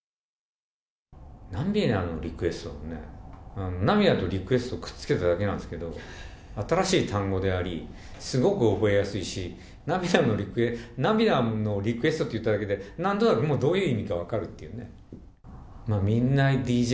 涙のリクエストもね、涙とリクエストをくっつけただけなんですけど、新しい単語であり、すごく覚えやすいし、涙のリクエストって言っただけで、なんとなくもうどういう意味か分かるっていうね。